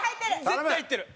絶対入ってる！